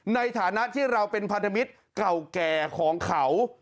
ในฐานะที่เราเป็นพันธมิตรเก่าแก่ของเขา